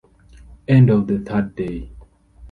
End of the third day.